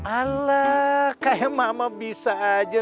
ala kayak mama bisa aja